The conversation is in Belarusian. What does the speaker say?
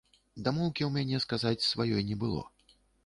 Дамоўкі ў мяне, сказаць, сваёй не было.